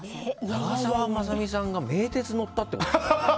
長澤まさみさんが名鉄乗ったってこと？